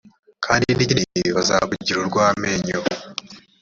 kandi ni kinini bazakugira urw amenyo